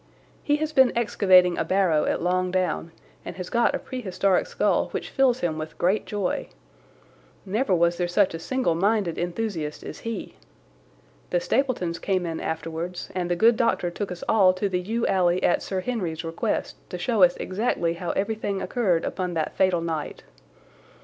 He has been excavating a barrow at Long Down and has got a prehistoric skull which fills him with great joy. Never was there such a single minded enthusiast as he! The Stapletons came in afterwards, and the good doctor took us all to the yew alley at Sir Henry's request to show us exactly how everything occurred upon that fatal night.